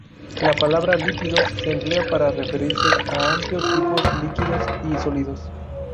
La palabra "lípidos" se emplea para referirse a ambos tipos, líquidos y sólidos.